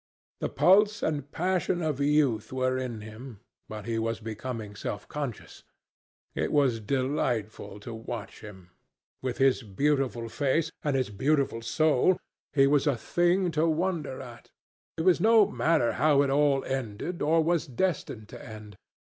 The pulse and passion of youth were in him, but he was becoming self conscious. It was delightful to watch him. With his beautiful face, and his beautiful soul, he was a thing to wonder at. It was no matter how it all ended, or was destined to end.